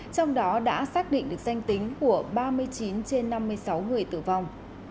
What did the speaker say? trong đó đã xác định được danh tính của ba mươi chín trên năm mươi sáu người tử vong